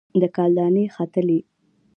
د کال دانې ختلي